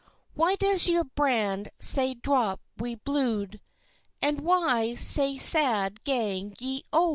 Why does your brand sae drop wi' blude And why sae sad gang ye, O?"